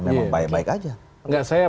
memang baik baik aja enggak saya